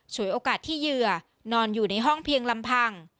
โอกาสที่เหยื่อนอนอยู่ในห้องเพียงลำพัง